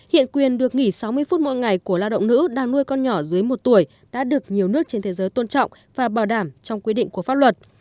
hiện quyền được nghỉ sáu mươi phút mỗi ngày của lao động nữ đang nuôi con nhỏ dưới một tuổi đã được nhiều nước trên thế giới tôn trọng và bảo đảm trong quy định của pháp luật